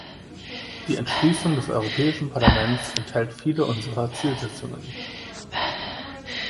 Die Entschließung des Europäischen Parlaments enthält viele unserer Zielsetzungen.